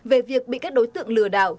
về việc bị các đối tượng lừa đảo